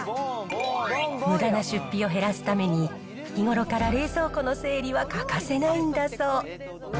むだな出費を減らすために、日頃から冷蔵庫の整理は欠かせないんだそう。